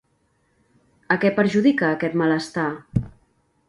A què perjudica aquest malestar?